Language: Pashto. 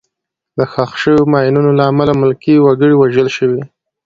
د ښخ شوو ماینونو له امله ملکي وګړي وژل شوي.